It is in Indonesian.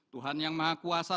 tuhan yang maha kuasa